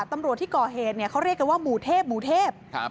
ตำรวจที่ก่อเหตุเนี่ยเขาเรียกกันว่าหมู่เทพหมู่เทพ